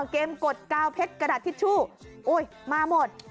เกมกดกาวเพชรกระดาษทิชชู่อยมาหมด